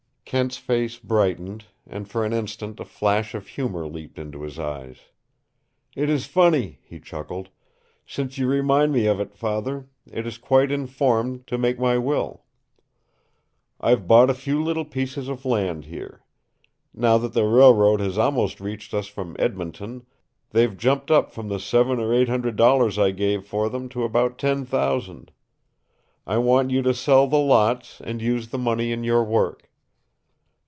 Kent's face brightened, and for an instant a flash of humor leaped into his eyes. "It is funny," he chuckled. "Since you remind me of it, Father, it is quite in form to make my will. I've bought a few little pieces of land here. Now that the railroad has almost reached us from Edmonton, they've jumped up from the seven or eight hundred dollars I gave for them to about ten thousand. I want you to sell the lots and use the money in your work.